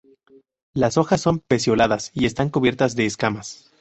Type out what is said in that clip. Las hojas son pecioladas, y están cubiertas de escamas.